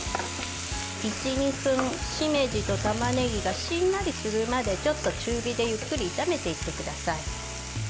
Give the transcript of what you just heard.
１２分、しめじとたまねぎがしんなりするまでちょっと中火でゆっくり炒めていってください。